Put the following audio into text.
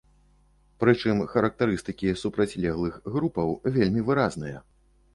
Прычым характарыстыкі супрацьлеглых групаў вельмі выразныя.